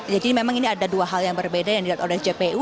jadi memang ini ada dua hal yang berbeda yang dilihat oleh jpu